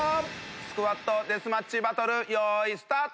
スクワットデスマッチバトル用意スタート！